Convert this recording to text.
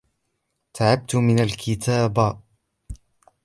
.تعبت من الكتابة